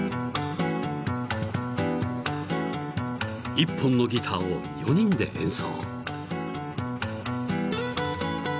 ［一本のギターを４人で演奏］